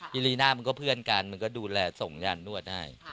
พี่รีน่ามันก็เพื่อนกันมันเลยดูแลส่งยันทร์นวดให้